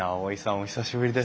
お久しぶりです。